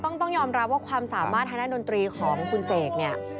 ต้องยอมรับว่าความสามารถทางด้านดนตรีของคุณเสกเนี่ย